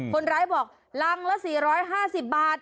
คนร้ายบอกรังละ๔๕๐บาท